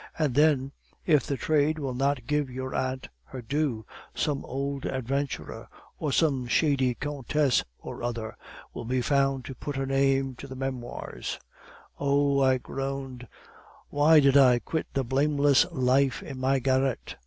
And then, if the trade will not give your aunt her due, some old adventurer, or some shady countess or other, will be found to put her name to the memoirs.' "'Oh,' I groaned; 'why did I quit the blameless life in my garret?